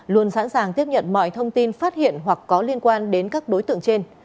luôn sẵn sàng tiếp nhận mọi thông tin phát hiện hoặc có liên quan đến các đối tượng trên